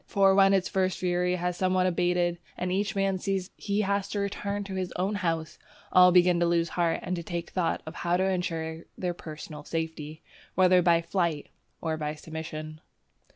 For when its first fury has somewhat abated, and each man sees that he has to return to his own house, all begin to lose heart and to take thought how to insure their personal safety, whether by flight or by submission.